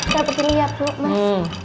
dapetin liat bu mas